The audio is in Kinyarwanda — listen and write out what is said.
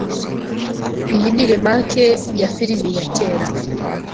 Iyi ni remake ya firime ya kera.